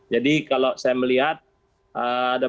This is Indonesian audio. jadi kalau saya melihat ada beberapa faktor faktor yang ada